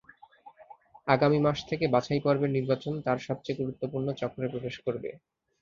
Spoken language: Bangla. আগামী মাস থেকে বাছাই পর্বের নির্বাচন তাঁর সবচেয়ে গুরুত্বপূর্ণ চক্রে প্রবেশ করবে।